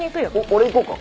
俺行こうか？